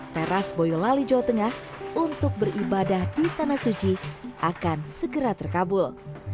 teras boyolali jawa tengah untuk beribadah di tanah suci akan segera terkabul